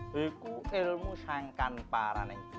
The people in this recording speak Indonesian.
beku ilmu sangkan